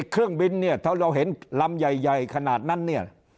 เครื่องบินเนี่ยถ้าเราเห็นลำใหญ่ขนาดนั้นเนี่ย